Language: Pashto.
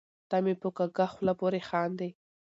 ته مې په کږه خوله پورې خاندې .